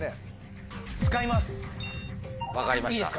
分かりました。